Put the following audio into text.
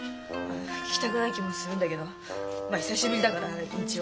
聞きたくない気もするんだけど久しぶりだから一応。